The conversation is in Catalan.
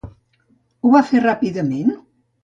Ho va fer ràpidament?